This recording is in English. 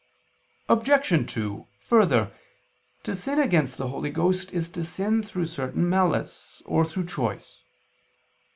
Obj. 2: Further, to sin against the Holy Ghost is to sin through certain malice, or through choice.